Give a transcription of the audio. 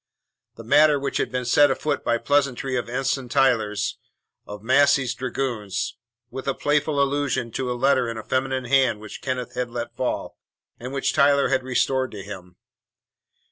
The matter had been set afoot by a pleasantry of Ensign Tyler's, of Massey's dragoons, with a playful allusion to a letter in a feminine hand which Kenneth had let fall, and which Tyler had restored to him.